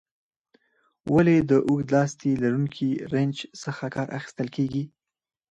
ولې د اوږد لاستي لرونکي رنچ څخه کار اخیستل کیږي؟